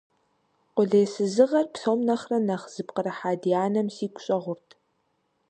Къулейсызыгъэр псом нэхърэ нэхъ зыпкърыхьа ди анэм сигу щӀэгъурт.